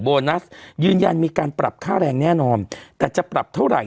โบนัสยืนยันมีการปรับค่าแรงแน่นอนแต่จะปรับเท่าไหร